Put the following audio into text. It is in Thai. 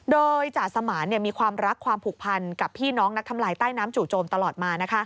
โดยจ่าสมานมีความรักความผูกพันกับพี่น้องนักทำลายใต้น้ำจู่โจมตลอดมา